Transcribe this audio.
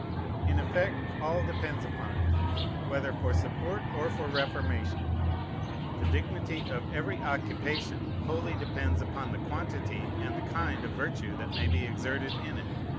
In effect, all depends upon it, whether for support or for reformation. The dignity of every occupation wholly depends upon the quantity and the kind of virtue that may be exerted in it.